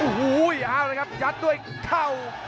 โอ้โหเอาเลยครับยัดด้วยเข่า